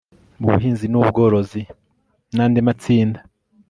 mu buhinzi n ubworozi n andi matsinda